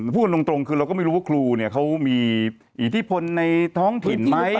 พูดกันตรงคือเราก็ไม่รู้ว่าครูเนี่ยเขามีอิทธิพลในท้องถิ่นไหม